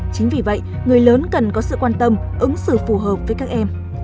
chính vì vậy người lớn cần có sự quan tâm ứng xử phù hợp với các em